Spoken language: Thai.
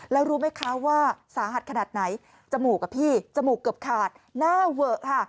แล้วรู้ไหมคะว่าสาหัสขนาดไหนจมูกอะพี่จมูกเกือบขาดหน้าเวอะค่ะ